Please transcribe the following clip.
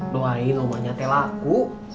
doain omonya telaku